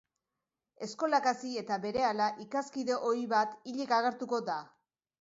Eskolak hasi eta berehala, ikaskide ohi bat hilik agertuko da.